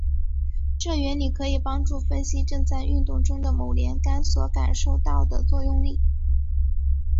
这原理可以帮助分析正在运动中的某连杆所感受到的作用力。